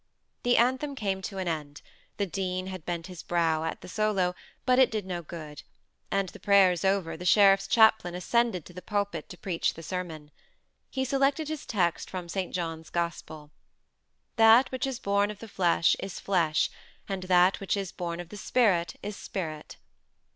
The anthem came to an end; the dean had bent his brow at the solo, but it did no good; and, the prayers over, the sheriff's chaplain ascended to the pulpit to preach the sermon. He selected his text from St. John's Gospel: "That which is born of the flesh is flesh, and that which is born of the Spirit is spirit."